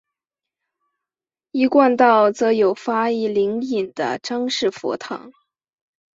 一贯道则有发一灵隐的张氏佛堂。